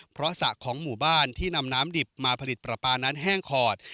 เพราะสระของหมู่บ้านที่นำน้ำดิบมาผลิตปลาปลานั้นแห้งขอด